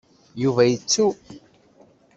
Yuba yettu.